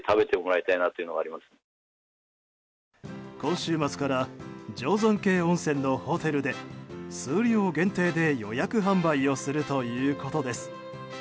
今週末から定山渓温泉のホテルで数量限定で予約販売をするということです。